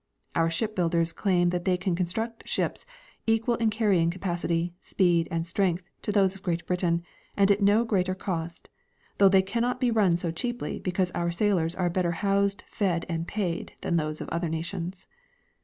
Our ship builders claim that they can construct ships ec|ual in carrying capacity, speed and strength to those of Great Britain, and at no greater cost; though they can not be run so cheaply because our sailors are better housed, fed and paid than those of other nations.